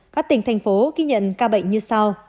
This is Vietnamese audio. các tỉnh thành phố ghi nhận ca bệnh như sau